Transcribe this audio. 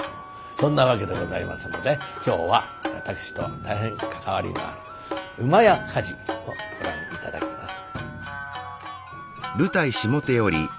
そんなわけでございますので今日は私と大変関わりのある「厩火事」をご覧頂きます。